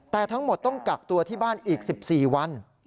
แต่ทั้งหมดต้องกักตัวที่บ้านอีก๑๔วัน